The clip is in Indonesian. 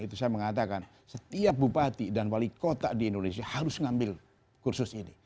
itu saya mengatakan setiap bupati dan wali kota di indonesia harus mengambil kursus ini